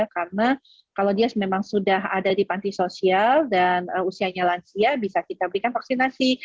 karena kalau dia memang sudah ada di panti sosial dan usianya lansia bisa kita berikan vaksinasi